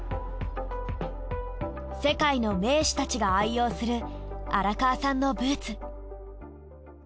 世界の名手たちが愛用する荒川さんのブーツ。